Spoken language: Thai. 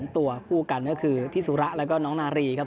ตัวคู่กันก็คือพี่สุระแล้วก็น้องนารีครับ